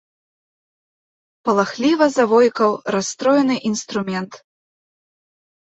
Палахліва завойкаў расстроены інструмент.